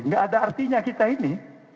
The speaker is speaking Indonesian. gak ada artinya kita ini